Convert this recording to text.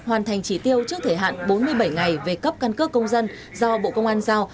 hoàn thành chỉ tiêu trước thể hạn bốn mươi bảy ngày về cấp căn cước công dân do bộ công an giao